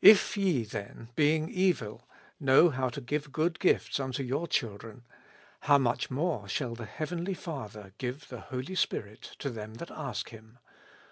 If ye then, being evil, know how to give good gifts unto your children, how much more shall the heavenly Father give the Holy Spirit to them that ask Him